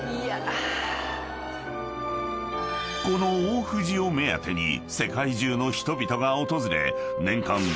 ［この大藤を目当てに世界中の人々が訪れ］